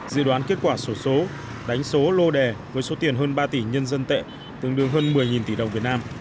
dự đoán kết quả sổ số đánh số lô đề với số tiền hơn ba tỷ nhân dân tệ tương đương hơn một mươi tỷ đồng việt nam